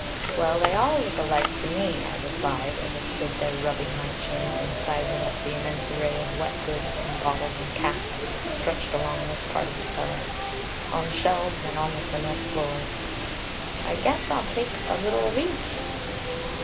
"Well, they all look alike to me," I replied, as I stood there rubbing my chin and sizing up the immense array of wet goods in bottles and casks that stretched along this part of the cellar, on shelves and on the cement floor; "I guess I'll take a little of each."